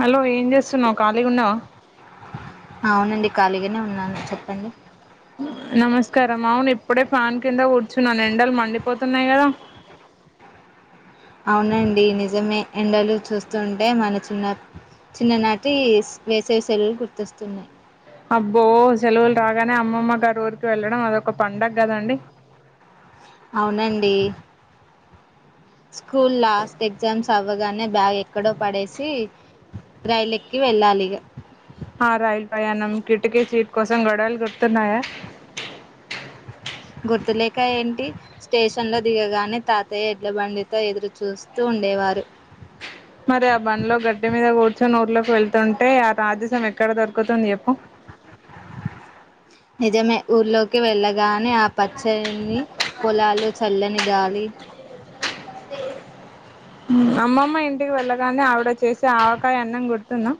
hello ఏం జేస్తున్నావ్ ఖాళీగున్నావా అవునండి ఖాళీగనే ఉన్నాను చెప్పండి నమస్కారం అవును ఇప్పుడే ఫ్యాన్ కింద కూర్చున్నాను ఎండలు మండిపోతున్నాయి గదా అవునండి నిజమే ఎండలు చూస్తుంటే మన చిన్న చిన్ననాటి వేసేవి సెల్లు గుర్తొస్తున్నాయి అబ్బో సెలవులు రాగానే అమ్మమ్మ గారు ఊరికి వెళ్ళడం అదొక పండగ గదండి అవునండి స్కూల్ లాస్ట్ ఎగ్జామ్స్ అవ్వగానే బ్యాగ్ ఎక్కడో పడేసి రైలెక్కి వెళ్ళాలిగా ఆ రాయిల్ ప్రయాణం కిటకీ సీట్ కోసం గొడల్ గుర్తున్నాయా గుర్తులేక ఏంటి స్టేషన్ లో దిగగానే తాతయ్య ఎడ్ల బండితో ఎదురు చూస్తూ ఉన్ ఉండేవారు ర్చొని ఊర్లోకి వెళ్తుంటే ఆ రాజసం ఎక్కడ దొరుకుతుంది జెప్పు నిజమే ఊర్లోకి వెళ్ళగానే ఆ పచ్చని పొలాలు చల్లని గాలి అమ్మమ్మ ఇంటికి వెళ్ళగానే ఆవిడ చేసే ఆవకాయ అన్నం గుర్తున్నా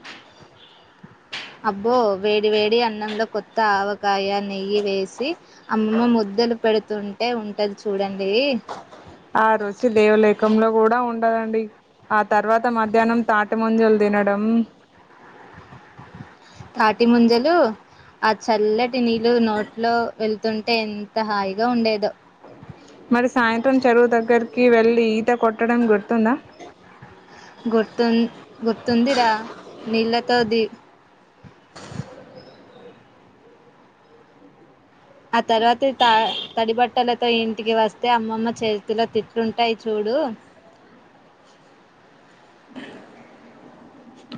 అబ్బో వేడి వేడి అన్నంలో కొత్త ఆవకాయ నెయ్యి వేసి అమ్మ ముద్ ద్దలు పెడుతుంటే ఉంటది చూడండి ఆ రోజ్ లేవలేఖంలో కూడా ఉండదండి ఆ తర్వాత మధ్యాహ్నం తాటి ముంజలు తినడం తాటి ముంజలు ఆ చల్లటి నీళ్ళు నోట్లో వెళ్తుంటే ఎంత హాయిగా ఉండేదో మరి సాయంత్రం చెరువు దగ్గరకి వెల్లి ఈత కొట్టడం గుర్త్ గుర్తు గుర్తుందిరా నీలతోది ఆ తర్వాత త తడి బట్టలతో ఇంటికి వస్తే అమ్మమ్మ చేతిలో తిట్టుంటాయి చూడు టు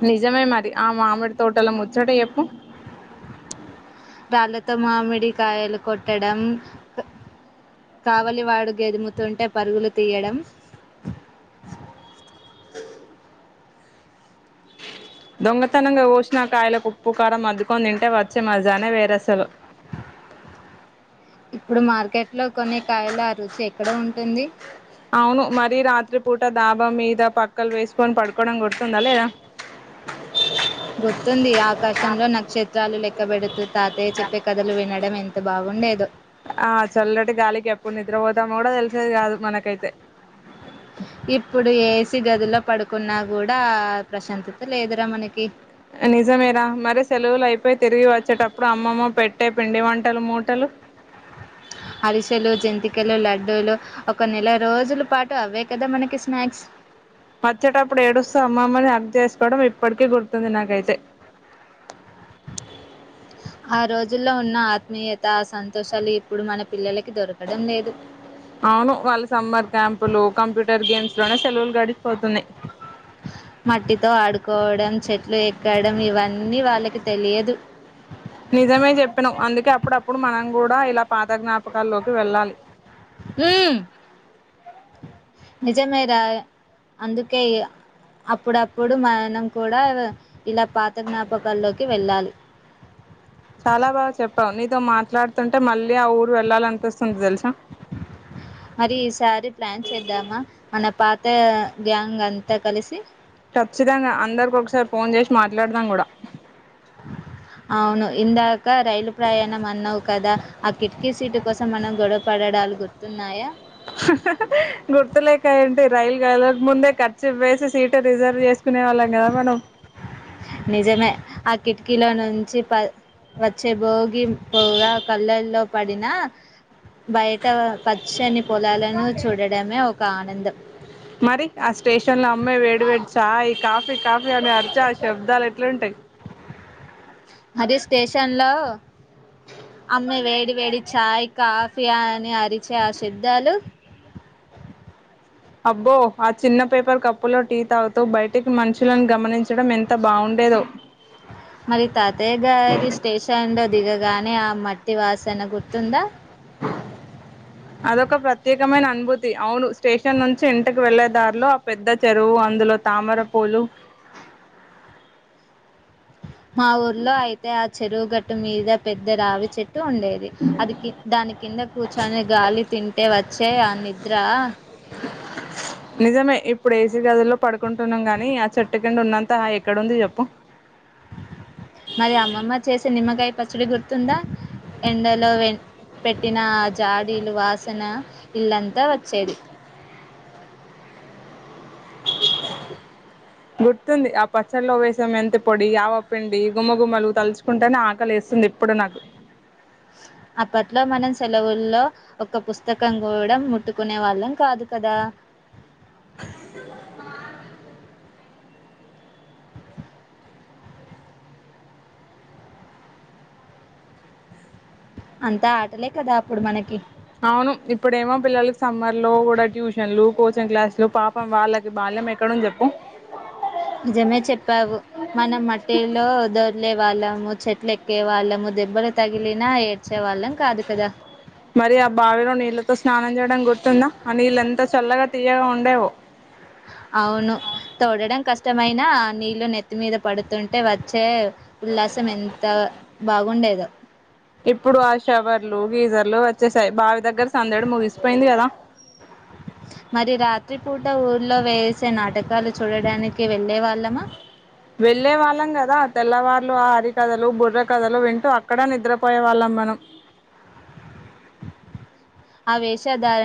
నిజమే మరి ఆ మామిడి తోటలో ముచ్చోట ఎప్పు రాళ్లతో మామిడి కాయలు కొట్టడం కావలి వాడు గ ఎదుముతుంటే పరుగులు తీయడం దొంగతనంగా ఓసిన కాయల ఉప్పు కారం మద్దుకొ తింటే వచ్చే మజానే వేరసలు ఇప్పుడు మార్కెట్ లో కొనే కాయలు ఆ రుచి ఎక్కడ ఉంటుంది అవును మరీ రాత్రి పూట దాబా మీద పక్కలు వేసుకొని పడుకోవడం గుర్తు తుందా లేదా గుర్తుంది ఆకాశంలో నక్షత్రాలు లెక్కబెడుతూ తాతే చెప్పే కథలు వినడం ఎంత బాగు ఉండేదు ఆ చల్లటి గాలి ఎప్పు నిద్ర పోతామ్మ కూడా తెలిసేది కాదు మనకైతే ఇప్పుడు ఏసి గదిలో పడుకున్నా కూడా ప్రశాంతత లేదురా మనకి నిజమేరా మరి సెలవులు అయిపోయి తిరిగి వచ్చేటప్పుడు అమ్మమ్మ పెట్టే పిండి వంటలు మూటలు అరిసెలు జంతికలు లడ్డూలు ఒక నెల రోజుల పాటు అవే కదా మనకి స్నాక్స్ వచ్చ్యేటప్పుడు ఏడుస్తూ అమ్మమ్మని హగ్ చేసుకోవడం ఇప్పటికీ గుర్తుంది నాకైతే ఆ రోజుల్లో ఉన్న ఆత్మీయత ఆ సంతోషాలు ఇప్పుడు మన పిల్లల అవును వాళ్ళ సమ్మర్ క్యాంపులు కంప్యూటర్ గేమ్స్ లోనే సెలవులు గడి మట్టితో ఆడుకోవడం చెట్లు ఎక్కడం ఇవన్నీ వాళ్ళకి తెలియదు నిజమే చెప్పినవ్ అందుకే అప్పుడప్పుడు మనం కూడా ఇలా పాత జ్ఞాపకాల్లోకి వెళ్ళాలి ఉమ్ నిజమేరా అందుకే అప్పుడప్పుడు మనం కూడా ఇలా పాత జ్ఞాపకాల్లోకి వెళ్ళాలి చాలా బాగా చెప్పావు నీతో మాట్లాడుతుంటే మళ్ళీ ఆ ఊరు వెళ్ళాలనిపిస్తుంది తెలుసా అ మరి ఈసారి ప్లాన్ చేద్దామా మన పాత గ్యాంగ్ అంతా కలిసి ఖచ్చితంగా అందరికి ఒకసారి ఫోన్ చేసి మాట్లాడదాం కూడా అవును ఇందాక రైలు ప్రయాణం అన్నావు కదా ఆ కిటికీ సీటు కోసం మనం గొడవ పడడాలు గుర్తున్నాయా గుర్తులేక ఏంటి రైలు కదలకముందే కార్చిప్ వేసి సీటు రిజర్వ్ చేసి కునేవాళ్ళం కద మనం కిటికిలో నుంచి ప వచ్చే భోగి పొగ కళ్ళల్లో పడిన బయట పచ్చని పొలాలను చూడడమే ఒక ఆనందం మరి ఆ స్టేషన్ న్లో అమ్మే వేడి వేడి చాయ్ కాఫీ కాఫీ అని అరిచె ఆ శబ్దాలు ఎట్లుంటాయి మరి స్టేషన్ లో అమ్మే వేడి వేడి ఛాయ్ కాఫీ అని అరిచే ఆశబ్ధాలు అబ్బో ఆ చిన్న పేపర్ కప్పు లో టీ తాగుతూ బయటికి మనుషులను గమనించడం ఎంత బాగుం బెదొ మరి తాతయ్య గారి స్టేషన్ లో దిగగానే ఆ మట్టి వాసన గుర్తుందా అదొక ప్రత్యేకమైన అనుభూతి అవును స్టేషన్ నుంచి ఇంటికి వెళ్ళే దారిలో ఆ పెద్ద చెరువు అందులో తామరపూలు మా ఊర్లో అయితే ఆ చెరువుగట్టు మీద పెద్ద రావి చె ట్టు ఉండేది అది కి దాని కింద కూర్చొని గాలి తింటే వ చ్చే ఆ నిద్ర నిజమే ఇప్పుడు ఏసీ గదిలో పడుకుంటున్నాం గాని ఆ చెట్టు కింద ఉన్నంత ఎక్కడుంది చెప్పు మరి అమ్మమ్మ చేసే నిమ్మకాయ పచ్చడి గుర్తుందా ఎండలో వెన్ పెట్టిన ఆ జాడీలు వాసన ఇల్లంతా వచ్చేది గుర్తుంది ఆ పచ్చళ్లో వేసే మెంతి పొడి ఆవ పిండి గుమగుమలు తలుచుకుంటనే ఆకలి వస్ స్తుంది ఇప్పుడు నాకు అప్పట్లో మనం సెలవుల్లో ఒక పుస్తకం కూడా ముట్టుకునే వాళ్ళం కాదు కదా అంతా ఆటలే కదా అప్పుడు మనకి అవును ఇప్పుడేమో పిల్లలకి సమ్మర్ లో కూడా ట్యూషన్లు కోచింగ్ క్లాసులు పాపం వాళ్ళకి బాల్ ల్లంఎక్కడ ఉంది చెప్పు నిజమే చెప్పావు మనం మట్టిలో దొర్లే వాళ్ళము చెట్లు ఎక్కే వాళ్ళము దెబ్బలు తగిలినా ఏడ్చే వాళ్ళం కాదు కదా మరి ఆ బావిలో నీళ్ళతో స్నానం చేయడం గుర్తుందా ఆ నీళ్ళు ఎంత చల్లగా తీయగా ఉండేవో అవును తోడడం కష్టమైనా నీళ్లు నెత్తి మీద పడుతుంటే వచ్చే ఉల్లాసం ఎంత బాగుండేదో ఇప్పుడు ఆ షవర్లు గీజర్లు వచ్చేసాయ్ బావి దగ్గర సందడు ముగిసిపోయింది కదా అ మరి రాత్రి పూట ఊర్లోవేసే నాటకాలు చూడడానికి కే వెళ్ళే వాళ్ళమా వెళ్ళే వాళ్ళం కదా తెల్లవారులు ఆ అరికథలు బుర్ర కథలు వింటూ అక్కడ నిద్రపోయే వాళ్ళం మనం ఆ వేషధారణ